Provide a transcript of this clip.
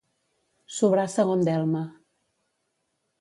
Sobrar segon delme.